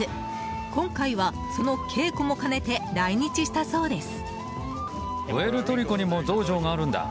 今回は、その稽古も兼ねて来日したそうです。